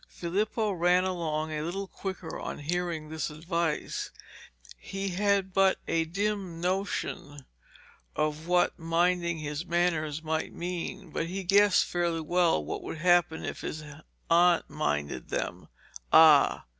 Filippo ran along a little quicker on hearing this advice. He had but a dim notion of what minding his manners might mean, but he guessed fairly well what would happen if his aunt minded them. Ah!